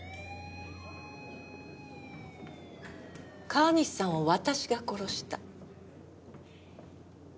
川西さんを私が殺した。